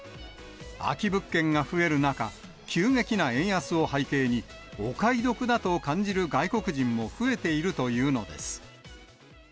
空き物件が増える中、急激な円安を背景に、お買い得だと感じる外国人も増えているというのです。